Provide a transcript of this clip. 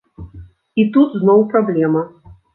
І тут зноў праблема.